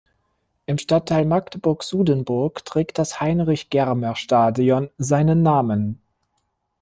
Im Stadtteil Magdeburg-Sudenburg trägt das Heinrich-Germer-Stadion seinen Namen.